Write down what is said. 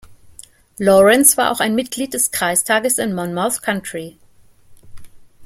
Lawrence war auch Mitglied des Kreistages im Monmouth County.